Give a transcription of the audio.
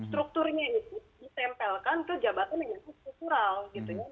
strukturnya itu ditempelkan ke jabatan yang itu struktural